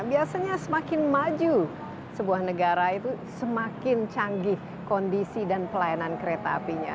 biasanya semakin maju sebuah negara itu semakin canggih kondisi dan pelayanan kereta apinya